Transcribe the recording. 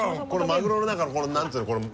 マグロの中のこの何ていうの？